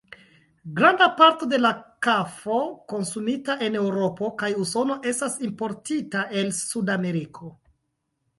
Granda parto de la kafo konsumita en Eŭropo kaj Usono estas importita el Sudameriko.